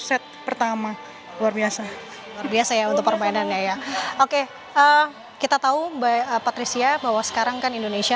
set pertama luar biasa luar biasa dengan oke eh kita tahu by apa theresa bahwa sekarang kan indonesia